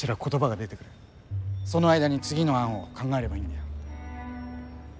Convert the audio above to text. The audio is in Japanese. その間に次の案を考えればいいんだよ。